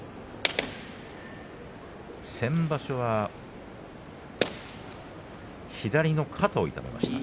先場所は左の肩を痛めました。